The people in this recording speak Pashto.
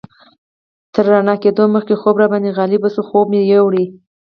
تر رڼا کېدو مخکې خوب راباندې غالب شو، خوب مې یوړ.